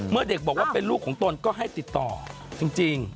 เมื่อเด็กบอกว่าเป็นลูกของตนก็ให้ติดต่อจริง